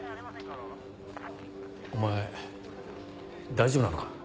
お前大丈夫なのか？